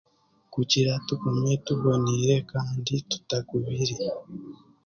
Kugira tugume tuboneire kandi tutagubire